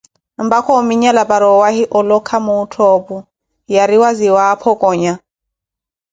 mpakha ominyala para owahi olokha muuttho opu, yariwa ziwaapho conya.